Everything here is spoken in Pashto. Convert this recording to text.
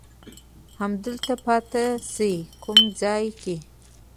همدلته پاتېدای شې، کوم ځای کې؟